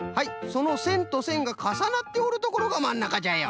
そのせんとせんがかさなっておるところがまんなかじゃよ。